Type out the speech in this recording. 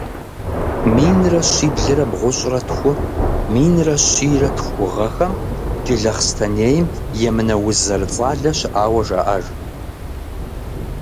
Минрэ щиблрэ бгъущӀрэ тху-минрэ щийрэ тху гъэхэм Джылахъстэнейм емынэ уз зэрыцӀалэ щыӀауэ жаӀэж.